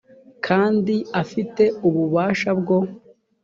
kandi afite ububasha bwo